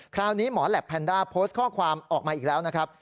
คราวนี้หมอแหลปแพนด้าโพสต์ข้อความออกมาอีกแล้วนะครับ